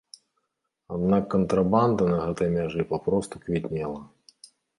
Аднак кантрабанда на гэтай мяжы папросту квітнела.